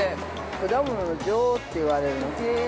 ◆果物の女王といわれるの。